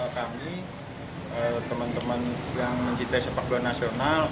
kami teman teman yang mencintai sepak bola nasional